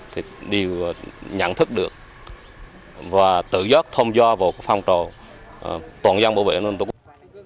thì đều nhận thức được và tự giác thông do vào phong trào toàn dân bảo vệ an ninh tổ quốc